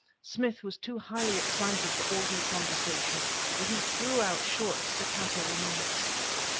Smith was too highly excited for ordinary conversation, but he threw out short, staccato remarks.